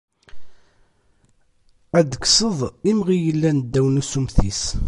Ad d-tekkseḍ imɣi yellan ddaw n usummet-is.